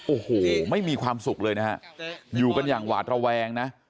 โอ้โหไม่มีความสุขเลยนะฮะอยู่กันอย่างหวาดระแวงนะ